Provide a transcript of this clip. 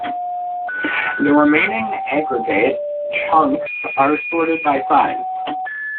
The remaining aggregate chunks are sorted by size.